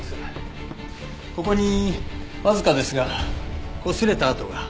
ここにわずかですがこすれた跡が。